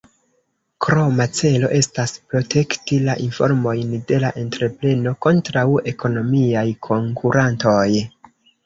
Kroma celo estas protekti la informojn de la entrepreno kontraŭ ekonomiaj konkurantoj.